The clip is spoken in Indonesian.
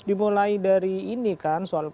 dimulai dari ini kan soal